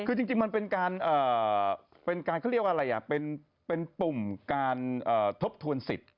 คือจริงมันเป็นการเป็นการเขาเรียกว่าอะไรเป็นปุ่มการทบทวนสิทธิ์